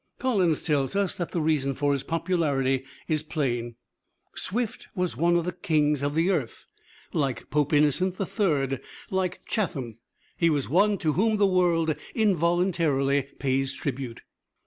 Collins tells us that the reason for his popularity is plain: "Swift was one of the kings of the earth. Like Pope Innocent the Third, like Chatham, he was one to whom the world involuntarily pays tribute."